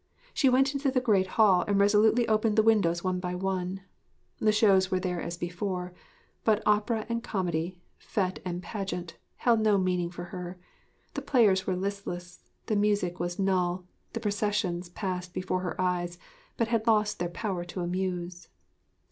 She went into the great hall and resolutely opened the windows one by one. The shows were there as before; but opera and comedy, fête and pageant, held no meaning for her: the players were listless, the music was null, the processions passed before her eyes but had lost their power to amuse.